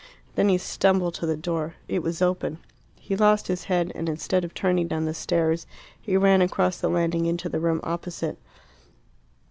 Then he stumbled to the door. It was open. He lost his head, and, instead of turning down the stairs, he ran across the landing into the room opposite.